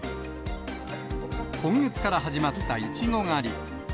今月から始まったいちご狩り。